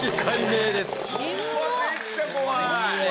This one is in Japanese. めっちゃ怖い！